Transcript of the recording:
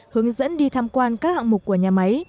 hướng dẫn đi tham quan các hạng mục của nhà máy